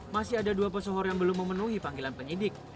masih ada dua pesohor yang belum memenuhi panggilan penyidik